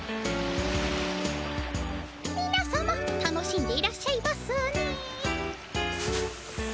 みな様楽しんでいらっしゃいますね。